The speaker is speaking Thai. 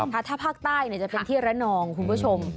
ถ้าภาคใต้จะเป็นที่ระนองคุณผู้ชม